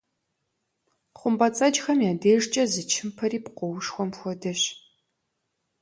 Хъумпӏэцӏэджхэм я дежкӏэ зы чымпэри пкъоушхуэм хуэдэщ.